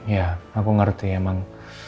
ya aku ngerti emang